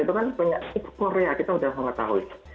itu kan punya itu korea kita sudah mengetahui